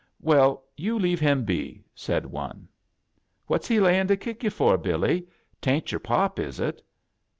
"Well, you leave him be," said one. "What's he layin' to kick you for, Billy? 'Tain't yer pop, is it?"